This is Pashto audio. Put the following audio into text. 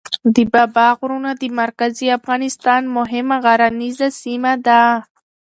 د بابا غرونه د مرکزي افغانستان مهمه غرنیزه سیمه ده.